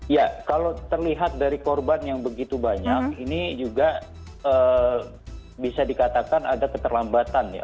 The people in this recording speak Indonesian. ya kalau terlihat dari korban yang begitu banyak ini juga bisa dikatakan ada keterlambatan ya